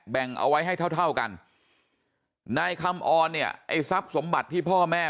แบ่งเอาไว้ให้เท่าเท่ากันนายคำออนเนี่ยไอ้ทรัพย์สมบัติที่พ่อแม่